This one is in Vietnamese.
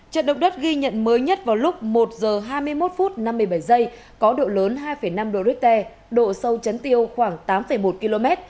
trận động đất ghi nhận mới nhất vào lúc một h hai mươi một phút năm mươi bảy giây có độ lớn hai năm độ richter độ sâu chấn tiêu khoảng tám một km